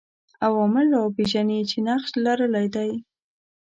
عوامل راپېژني چې نقش لرلای دی